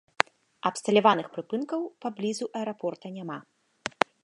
Абсталяваных прыпынкаў паблізу аэрапорта няма.